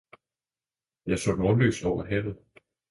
Jeg så Nordlys over havet